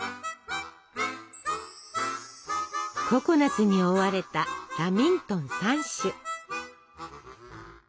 ココナツに覆われたラミントン３種。